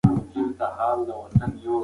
خپلواکي د افغان هویت برخه ده.